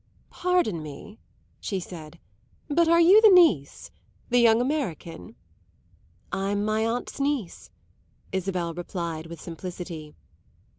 "Pardon me," she said; "but are you the niece the young American?" "I'm my aunt's niece," Isabel replied with simplicity.